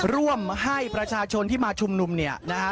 ร่วมให้ประชาชนที่มาชุมนุมเนี่ยนะฮะ